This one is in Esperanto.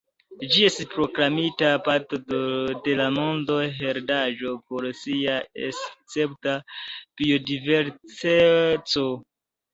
Ĝi estis proklamita parto de la monda heredaĵo pro sia escepta biodiverseco.